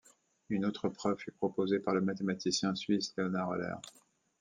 Une autre preuve fut proposée par le mathématicien suisse Leonhard Euler.